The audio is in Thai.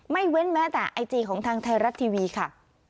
เว้นแม้แต่ไอจีของทางไทยรัฐทีวีค่ะ